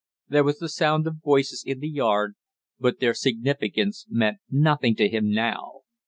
There was the sound of voices in the yard, but their significance meant nothing to him now.